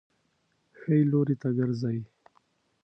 ښي لوري ته ګرځئ